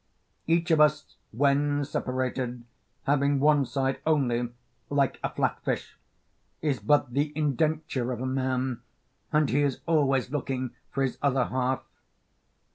Each of us when separated, having one side only, like a flat fish, is but the indenture of a man, and he is always looking for his other half.